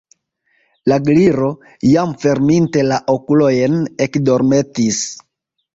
La Gliro, jam ferminte la okulojn, ekdormetis.